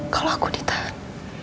kalo aku ditahan